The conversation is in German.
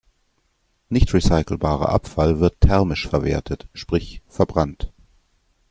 Nicht recycelbarer Abfall wird thermisch verwertet, sprich verbrannt.